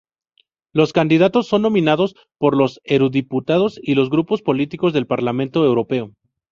Los candidatos son nominados por los eurodiputados y los grupos políticos del Parlamento Europeo.